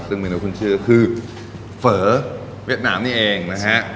ซึ่งเมนูขึ้นชื่อคือเฝอเวียดนามนี่เองนะฮะ